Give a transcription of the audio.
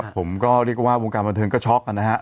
ผมก็เรียกว่าวงการบันเทิงก็ช็อกนะฮะ